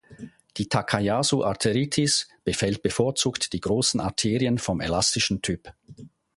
Die Takayasu-Arteriitis befällt bevorzugt die großen Arterien vom elastischen Typ.